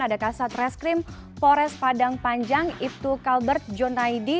ada kasat reskrim pores padang panjang ibtu kalbert jonaydi